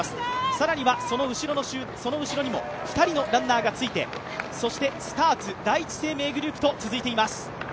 更にはその後ろにも２人のランナーがついてスターツ、第一生命グループと続いています。